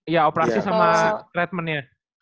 iya operasi sama treatmentnya